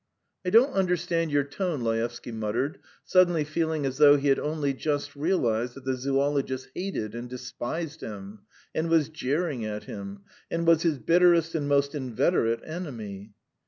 "I don't understand your tone," Laevsky muttered, suddenly feeling as though he had only just realised that the zoologist hated and despised him, and was jeering at him, and was his bitterest and most inveterate enemy.